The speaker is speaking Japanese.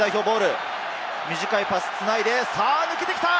短いパスを繋いで、さぁ抜けてきた！